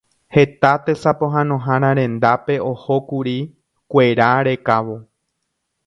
Heta tesapohãnohára rendápe ohókuri kuera rekávo.